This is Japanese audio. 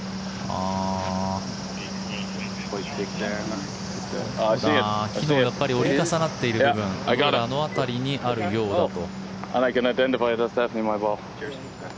木の上の折り重なっている部分あの辺りにあるようだと。